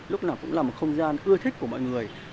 lúc nào cũng là một không gian ưa thích của mọi người